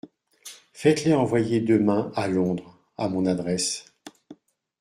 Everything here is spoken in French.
Faites-les envoyer demain à Londres, à mon adresse.